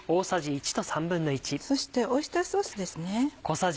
そしてオイスターソースですね。